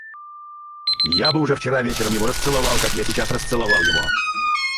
Я бы уже вчера вечером его расцеловал, как я сейчас расцеловал его.